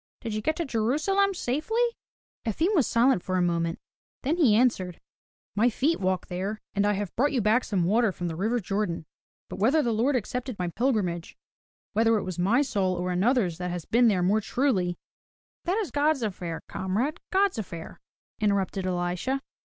Did you get to Jerusalem safely?" Efim was silent for a moment, then he answered: "My feet walked there, and I have brought you back some water from the river Jordan. But whether the Lord accepted my pilgrimage, — whether it was my soul or another's that has been there more truly, —" "That is God's affair, comrade, God's affair," interrupted Elisha.